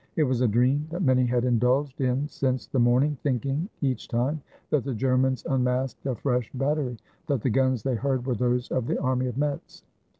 It was a dream that many had indulged in since the morning, thinking, 401 FRANCE each time that the Germans unmasked a fresh battery, that the guns they heard were those of the army of Metz.